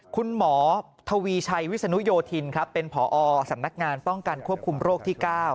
คุณหมอทวีชัยวิศนุโยธินครับเป็นผอสำนักงานป้องกันควบคุมโรคที่๙